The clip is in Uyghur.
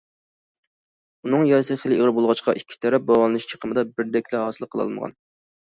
ئۇنىڭ يارىسى خېلى ئېغىر بولغاچقا، ئىككى تەرەپ داۋالىنىش چىقىمىدا بىردەكلىك ھاسىل قىلالمىغان.